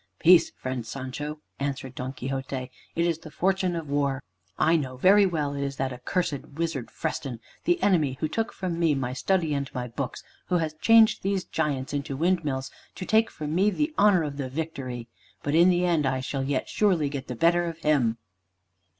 "Peace, friend Sancho," answered Don Quixote. "It is the fortune of war. I know very well it is that accursed wizard Freston, the enemy who took from me my study and my books, who has changed these giants into windmills to take from me the honor of the victory. But in the end I shall yet surely get the better of him."